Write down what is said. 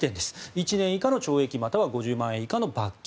１年以下の懲役または５０万円以下の罰金。